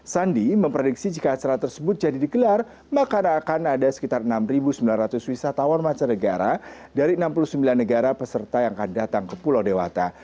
sandi memprediksi jika acara tersebut jadi digelar maka akan ada sekitar enam sembilan ratus wisatawan mancanegara dari enam puluh sembilan negara peserta yang akan datang ke pulau dewata